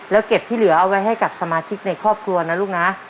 แล้วเก็บที่เหลือเอาไว้ให้กับสมาชิกในครอบครัวนะลูกนะ